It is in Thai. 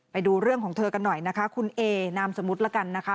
ไปดูเรื่องของเธอกันหน่อยนะคะคุณเอนามสมมุติแล้วกันนะคะ